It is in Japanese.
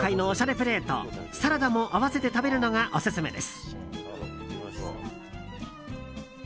プレートサラダも合わせて食べるのがオススメです。